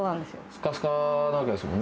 スカスカなわけですもんね